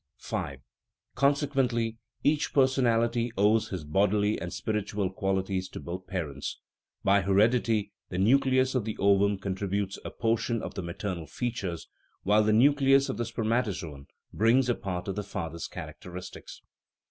V. Consequently each personality owes his bodily and spiritual qualities to both parents; by heredity the nucleus of the ovum contributes a portion of the maternal features, while the nucleus of the sperma tozoon brings a part of the father's characteristics.